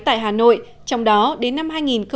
tại hà nội trong đó đến năm hai nghìn hai mươi